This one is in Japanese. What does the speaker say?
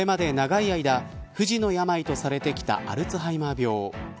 これまで長い間不治の病とされてきたアルツハイマー病。